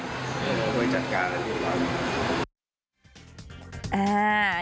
โดยจัดการอันนี้แล้ว